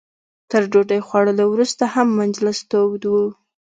تر ډوډۍ خوړلو وروسته هم مجلس تود و.